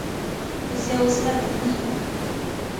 پیسې وسیله ده نه هدف.